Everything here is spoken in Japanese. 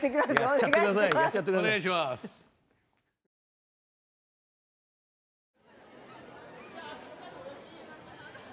お願いします。